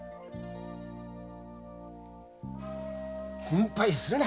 心配するな！